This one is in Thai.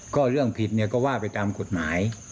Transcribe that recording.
ก็เรื่องผิดเนี่ยก็ว่าไปตามกฎหมาย